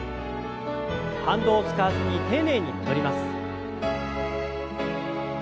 反動を使わずに丁寧に戻ります。